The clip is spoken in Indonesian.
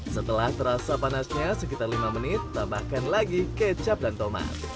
setelah terasa panasnya sekitar lima menit tambahkan lagi kecap dan tomat